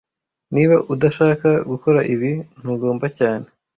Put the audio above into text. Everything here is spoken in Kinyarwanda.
Niba udashaka gukora ibi, ntugomba cyane